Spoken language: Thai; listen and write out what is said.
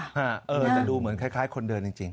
แต่ดูเหมือนคล้ายคนเดินจริง